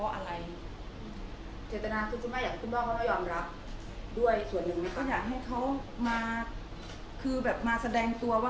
ว่ายังไงว่าใช่ไหมหรืออะไรอย่างนี้ค่ะ